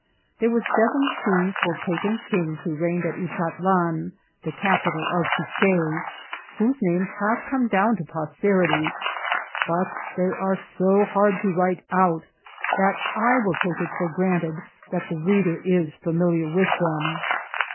There were seventeen Toltecan kings who reigned in Utatlan, the capital of Quich6, whose names have come down to posterity, but they are so hard to write out that I will take it for granted the reader is familiar with them.